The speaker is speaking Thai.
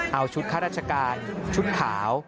เอาชุดข้าราชการชุดขาว